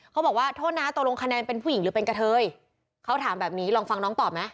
ขอโทษนะตกลงคะแนนเป็นผู้หญิงหรือเป็นกะเทยเขาถามแบบนี้ลองฟังน้องตอบไหม